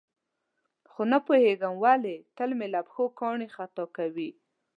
خو نه پوهېږم ولې تل مې له پښو کاڼي خطا کوي.